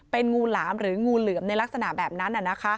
เป็นงูหลามหรืองูเหลือมในลักษณะแบบนั้น